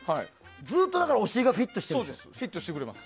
ずっとお尻がフィットしてくれるの。